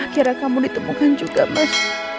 kira kamu ditemukan juga mas